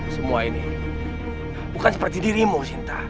semua ini bukan seperti dirimu sinta